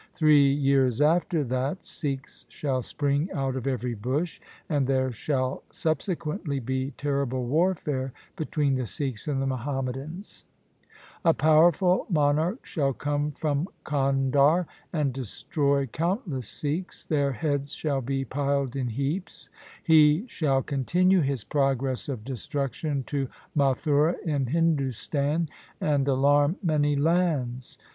Three years after that Sikhs shall spring out of every bush, and there 1 Suraj Parkash, Rut III, Chapter 37. io8 THE SIKH RELIGION shall subsequently be terrible warfare between the Sikhs and the Muhammadans. ' A powerful monarch shall come from Kandhar 1 and destroy countless Sikhs. Their heads shall be piled in heaps. He shall continue his progress of destruction to Mathura in Hindustan, and alarm many lands.